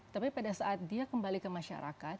tapi pada saat dia kembali ke masyarakat